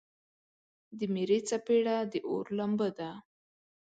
د میرې څپیړه د اور لمبه ده.